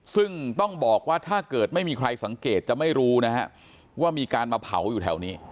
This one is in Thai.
ซึ่งต้องบอกว่าถ้าเกิดไม่มีใครสังเกตจะไม่รู้นะฮะว่ามีการมาเผาอยู่แถวนี้